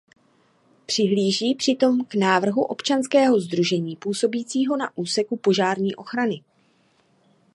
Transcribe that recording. Přihlíží přitom k návrhu občanského sdružení působícího na úseku požární ochrany.